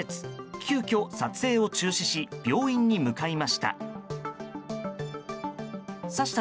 急きょ、撮影を中止し病院に向かいました。